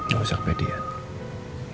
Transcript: gak usah kepedian